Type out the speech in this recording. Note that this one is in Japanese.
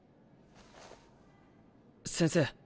先生。